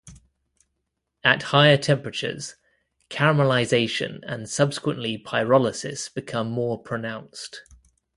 At higher temperatures, caramelization and subsequently pyrolysis become more pronounced.